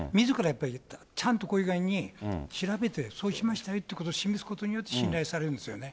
やっぱりちゃんとこういう具合に調べて、そうしましたよということを示すことによって信頼されるんですよね。